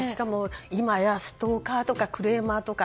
今やストーカーとかクレーマーとか